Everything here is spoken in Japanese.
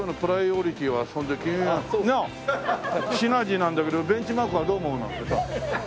シナジーなんだけどベンチマークはどう思うのってさ。